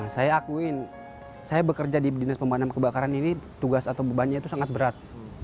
saya akuin saya bekerja di dinas pemadam kebakaran ini tugas atau bebannya itu sangat berat